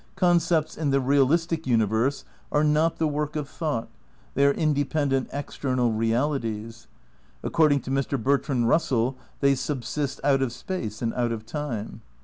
Concepts in the realistic universe are notthe work of thought ; they are independent ex ternal realities. According to Mr. Bertrand EusseU they subsist out of space and out of time.